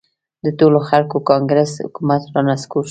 د ټولو خلکو کانګرس حکومت را نسکور شو.